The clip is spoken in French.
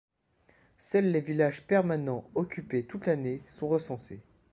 Seuls les villages permanents occupés toute l'année sont recensés.